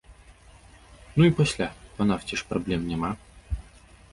Ну і пасля, па нафце ж праблем няма.